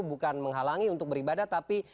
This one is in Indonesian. bukan menghalangi untuk beribadah tapi